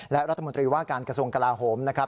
และรัฐมนตรีว่าการกระทรวงกลาโหมนะครับ